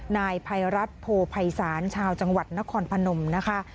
นายภัยรัฐโพภัยศาลชาวจังหวัดนครพนมนะคะ